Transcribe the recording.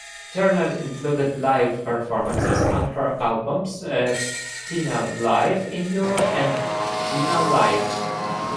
Turner included live performances on her albums, "Tina Live in Europe" and "Tina Live".